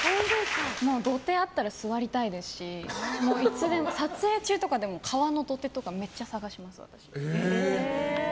土手あったら座りたいですしいつでも撮影中とかでも川の土手とかめっちゃ探します。